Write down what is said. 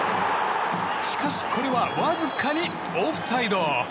しかし、これはわずかにオフサイド。